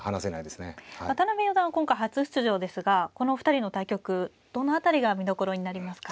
渡辺四段は今回初出場ですがこのお二人の対局どの辺りが見どころになりますか。